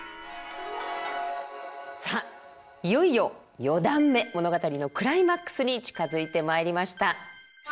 さあいよいよ四段目物語のクライマックスに近づいてまいりました。